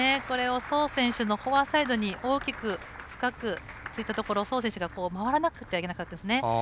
これを宋選手のフォアサイドに大きく深くついたところ、宋選手が回らなければいけなかったですね。